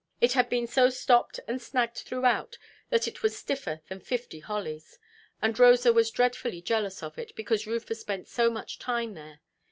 It had been so stopped and snagged throughout, that it was stiffer than fifty hollies; and Rosa was dreadfully jealous of it, because Rufus spent so much time there.